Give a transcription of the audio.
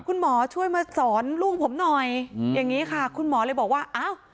คุณหมอช่วยมาสอนลูกผมหน่อยอืมอย่างนี้ค่ะคุณหมอเลยบอกว่าอ้าว